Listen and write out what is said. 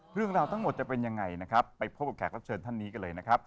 เรื่องราวทั้งหมดจะเป็นยังไงนะครับไปพบกับแขกรับเชิญท่านนี้กันเลยนะครับ